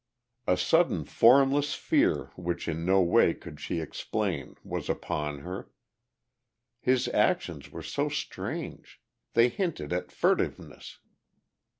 A sudden formless fear which in no way could she explain was upon her. His actions were so strange; they hinted at furtiveness.